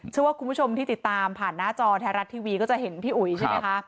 เชื่อว่าคุณผู้ชมที่ติดตามผ่านหน้าจอไทยรัฐทีวีก็จะเห็นพี่อุ๋ยใช่ไหมคะ